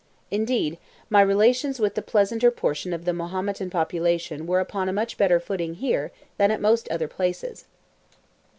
Indeed, my relations with the pleasanter portion of the Mahometan population were upon a much better footing here than at most other places.